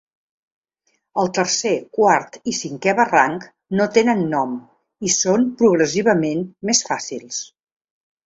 El tercer, quart i cinquè barranc no tenen nom i són progressivament més fàcils.